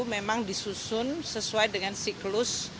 memang disusun sesuai dengan siklus